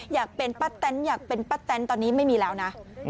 อยากเป็นป้าแตนอยากเป็นป้าแตนตอนนี้ไม่มีแล้วนะ